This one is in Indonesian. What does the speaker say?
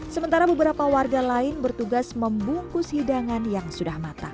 sementara beberapa warga lain bertugas membungkus hidangan yang sudah matang